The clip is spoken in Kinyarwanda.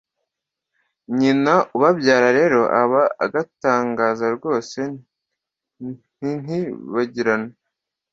nyina ubabyara rero aba agatangaza rwose n'intibagirana